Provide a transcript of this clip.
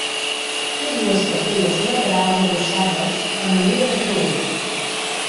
Té dues capelles laterals adossades, a manera de creuer.